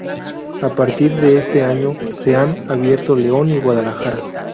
A partir de este año, se han abierto León y Guadalajara.